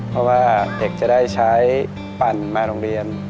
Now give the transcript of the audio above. เพราะว่าเด็กจะได้ใช้ปั่นมาโรงเรียน